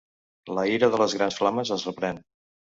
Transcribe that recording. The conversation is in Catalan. La ira de les grans flames es reprèn.